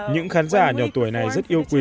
những khán giả nhỏ tuổi này rất yêu quý